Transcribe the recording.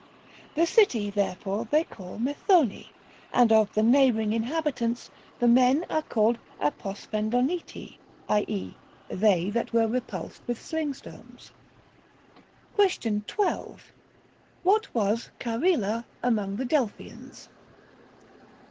The city therefore they call Methone, and of the neighboring inhab itants the men are called Aposphendoneti, i.e. they that were repulsed with sling stones. Question 12. What was Charila among the Delphians?